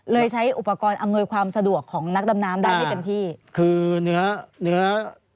เลยใช้อุปกรณ์อำนวยความสะดวกของนักดำน้ำได้ได้เป็นที่